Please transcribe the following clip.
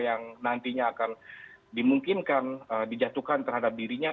yang nantinya akan dimungkinkan dijatuhkan terhadap dirinya